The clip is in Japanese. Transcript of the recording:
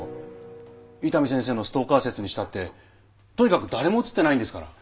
伊丹先生のストーカー説にしたってとにかく誰も映ってないんですから。